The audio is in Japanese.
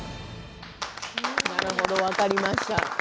なるほど、分かりました。